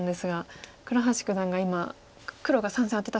倉橋九段が今黒が３線アテた瞬間